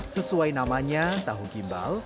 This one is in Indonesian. sesuai namanya tahu gimbal